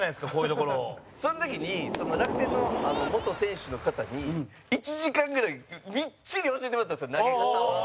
高橋：その時に楽天の元選手の方に１時間ぐらい、みっちり教えてもらったんですよ投げ方を。